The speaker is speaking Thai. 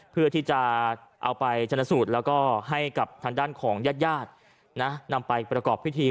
เพื่อที่จะเอาไปชนะสูตรแล้วก็ให้กับทางด้านของญาติญาตินะนำไปประกอบพิธี